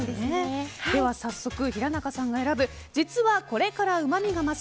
では早速、平仲さんが選ぶ実はこれからうまみが増す！